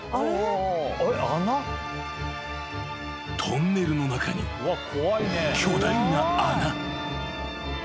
［トンネルの中に巨大な］